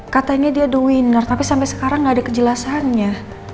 katanya dia do winner tapi sampai sekarang gak ada kejelasannya